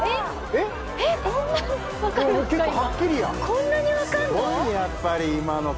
こんなに分かんの？